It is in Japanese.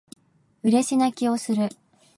嬉し泣きをする